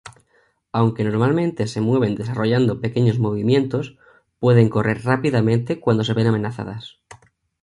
Aunque normalmente se mueven desarrollando pequeños movimientos, pueden correr rápidamente cuando se ven amenazadas.